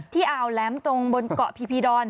อ่าวแหลมตรงบนเกาะพีพีดอน